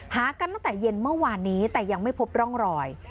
หากันตั้งแต่เย็นเมื่อวานนี้แต่ยังไม่พบร่องรอย